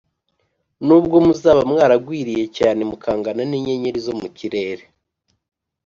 nubwo muzaba mwaragwiriye cyane mukangana n’inyenyeri zo mu kirere,